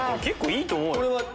結構いいと思う。